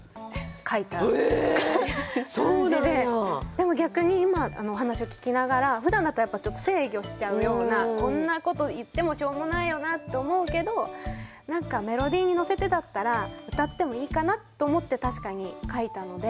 でも逆に今お話を聞きながらふだんだったらやっぱちょっと制御しちゃうようなこんなこと言ってもしょうもないよなって思うけど何かメロディーに乗せてだったら歌ってもいいかなと思って確かに書いたので。